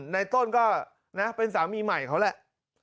ในต้นก็นะเป็นสามีใหม่เขาแหละ